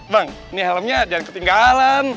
bang ini helmnya jangan ketinggalan